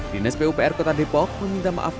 dinas pupr kota depok meminta maaf